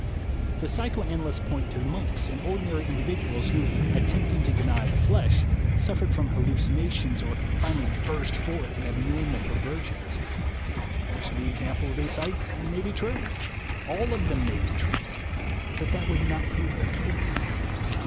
The psychoanalysts point to monks and ordinary individuals who, attempting to deny the flesh, suf fered from hallucinations or finally burst forth in abnormal perversions. Most of the examples they cite may be true. All of them may be true. But that would not prove their case.